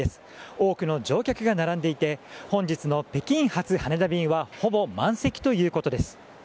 多くの乗客が並んでいて本日の北京発・羽田便はほぼ満席ということです。